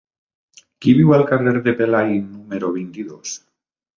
Qui viu al carrer de Pelai número vint-i-dos?